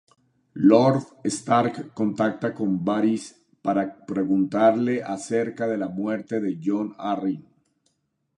Lord Stark contacta con Varys para preguntarle acerca de la muerte de Jon Arryn.